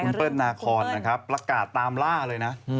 คุณเปิ้ลนาคอนนะครับประกาศตามล่าเลยนะ